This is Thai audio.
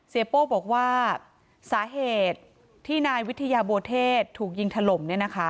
โป้บอกว่าสาเหตุที่นายวิทยาบัวเทศถูกยิงถล่ม